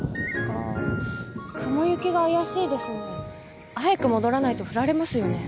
雲行きが怪しいですね早く戻らないと降られますよね。